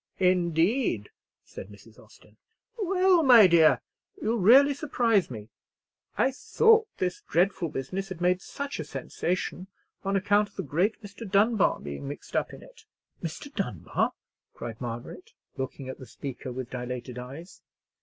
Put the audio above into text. "Indeed," said Mrs. Austin; "well, my dear, you really surprise me. I thought this dreadful business had made such a sensation, on account of the great Mr. Dunbar being mixed up in it." "Mr. Dunbar!" cried Margaret, looking at the speaker with dilated eyes.